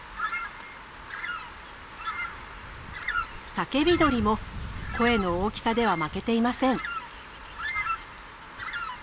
サケビドリも声の大きさでは負けていません。